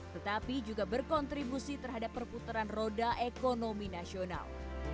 tetapi juga berkontribusi terhadap perputaran roda ekonomi nasional